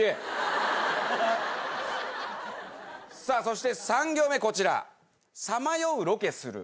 さあそして３行目こちら。